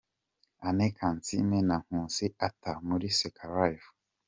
Anne Kansiime na Nkusi Arthur muri Seka Live.